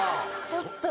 ちょっと。